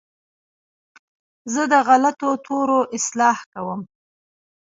زه د غلطو تورو اصلاح کوم.